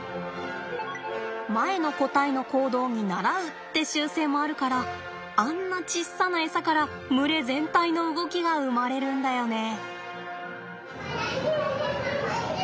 前の個体の行動に倣うって習性もあるからあんなちっさなエサから群れ全体の動きが生まれるんだよね。